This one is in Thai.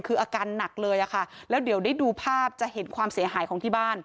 คืออาการหนักเลยอะค่ะแล้วเดี๋ยวได้ดูภาพจะเห็นความเสียหายของที่บ้าน